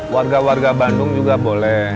warga warga bandung juga boleh